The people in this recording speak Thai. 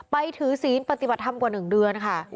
ไปถือศีลปฏิบัติธรรมกว่า๑เดือนค่ะ